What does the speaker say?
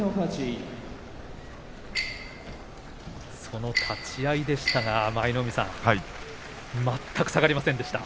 その立ち合いでしたが舞の海さん全く下がりませんでした。